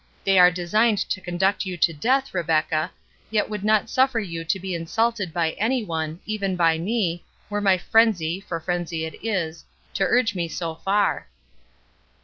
They are designed to conduct you to death, Rebecca, yet would not suffer you to be insulted by any one, even by me, were my frenzy—for frenzy it is—to urge me so far."